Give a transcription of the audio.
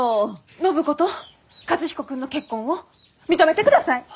暢子と和彦君の結婚を認めてください！